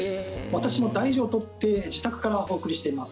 私も大事を取って自宅からお送りしています。